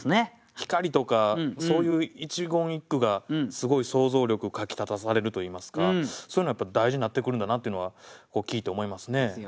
「光」とかそういう一言一句がすごい想像力をかきたたされるといいますかそういうのやっぱ大事になってくるんだなというのは聞いて思いますね。